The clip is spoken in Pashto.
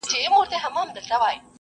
ایا ته په خبرو اترو باور لرې؟